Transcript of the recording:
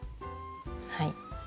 はい。